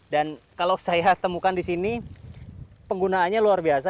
dan kalau saya temukan di sini penggunaannya luar biasa